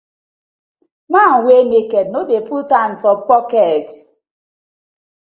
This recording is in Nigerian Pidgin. Man wey naked no dey put hand for pocket:.